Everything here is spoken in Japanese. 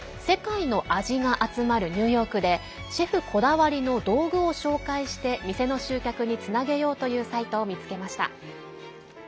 世界の味が集まるニューヨークでシェフこだわりの道具を紹介して店の集客につなげようというサイトを見つけました。